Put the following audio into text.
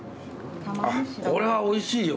これはおいしいよ。